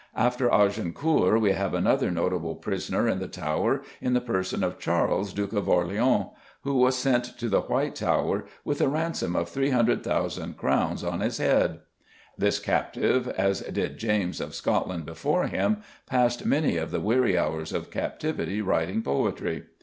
After Agincourt we have another notable prisoner in the Tower in the person of Charles, Duke of Orleans, who was sent to the White Tower "with a ransom of 300,000 crowns on his head." This captive, as did James of Scotland before him, passed many of the weary hours of captivity writing poetry.